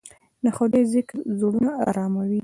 د خدای ذکر زړونه اراموي.